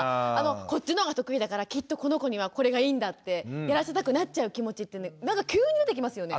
こっちの方が得意だからきっとこの子にはこれがいいんだってやらせたくなっちゃう気持ちってなんか急に出てきますよね。